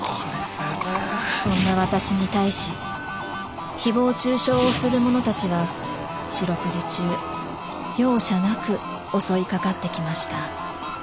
そんな私に対しひぼう中傷をする者たちは四六時中容赦なく襲いかかってきました。